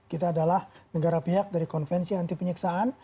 kita adalah negara pihak dari konvensi anti penyiksaan